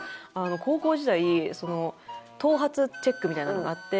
高校時代頭髪チェックみたいなのがあって。